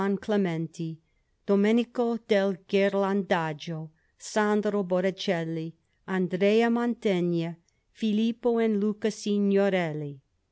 Clemente, Domenico del Ghirlandajo, Sandro Botticelli, Andrea Mantegna, Filippo, and Luca Signorelli.